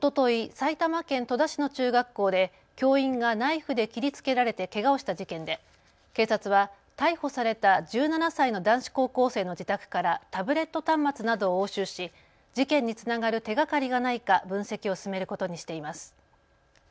埼玉県戸田市の中学校で教員がナイフで切りつけられてけがをした事件で警察は逮捕された１７歳の男子高校生の自宅からタブレット端末などを押収し事件につながる手がかりがないか分析を進めることにしています。